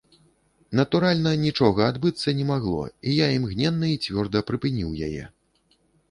Натуральна, нічога адбыцца не магло, і я імгненна і цвёрда прыпыніў яе.